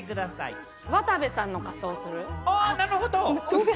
渡部さんの仮装をする。